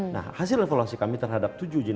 nah hasil evaluasi kami terhadap tujuh jenis